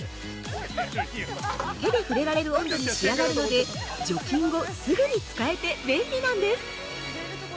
手で触れられる温度に仕上がるので除菌後すぐに使えて便利なんです。